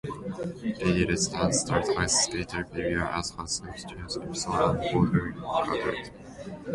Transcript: "Lady, Let's Dance" stars ice skater Belita as herself, James Ellison, and Walter Catlett.